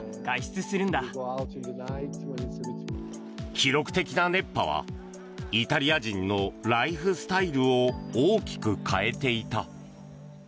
記録的な熱波はイタリア人のライフスタイルを大きく変えていた。